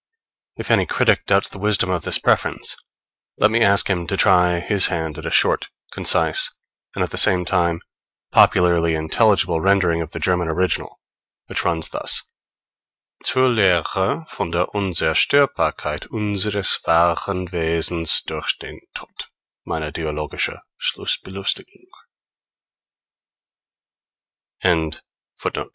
If any critic doubts the wisdom of this preference, let me ask him to try his hand at a short, concise, and, at the same time, popularly intelligible rendering of the German original, which runs thus: Zur Lehre von der Unzerstörbarkeit unseres wahren Wesens durch den Tod: Meine dialogische Schlussbelustigung.